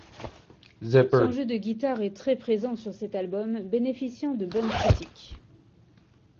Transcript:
Son jeu de guitare est très présent sur cet album bénéficiant de bonnes critiques.